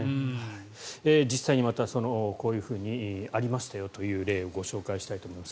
実際にこういうふうにありましたよという例をご紹介したいと思います。